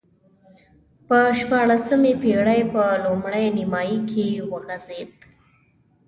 په شپاړسمې پېړۍ په لومړۍ نییمایي کې وغځېد.